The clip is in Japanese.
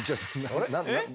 あれ？